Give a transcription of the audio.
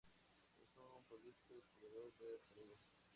Es un prolífico descubridor de asteroides.